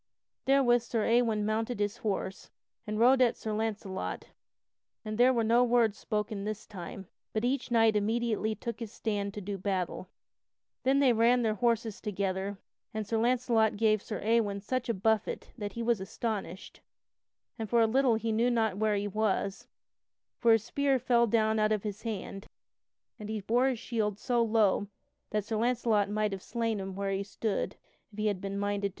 Therewith Sir Ewain mounted his horse and rode at Sir Launcelot, and there were no words spoken this time, but each knight immediately took his stand to do battle. Then they ran their horses together, and Sir Launcelot gave Sir Ewain such a buffet that he was astonished, and for a little he knew not where he was, for his spear fell down out of his hand, and he bore his shield so low that Sir Launcelot might have slain him where he stood if he had been minded to do so.